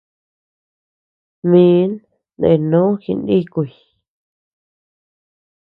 Mi ndenó jinikuy.